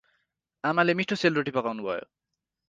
आमाले मीठो सेल रोटी पकाउनु भयो ।